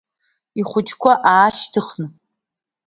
Ихәыҷқәа аашьҭыхны.